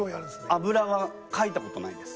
油は描いたことないです。